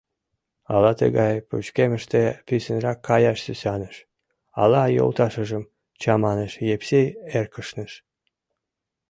Ала тыгай пычкемыште писынрак каяш сӱсаныш, ала йолташыжым чаманыш, Евсей эркышныш.